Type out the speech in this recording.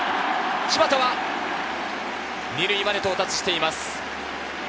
柴田は２塁まで到達しています。